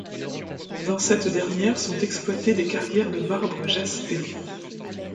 Dans cette dernière sont exploitées des carrières de marbre jaspé.